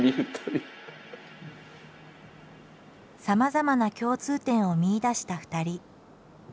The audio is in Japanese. さまざまな共通点を見いだした２人。